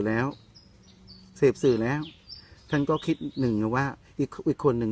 แล้วสืบสื่อแล้วท่านก็คิดหนึ่งว่าอีกคนหนึ่ง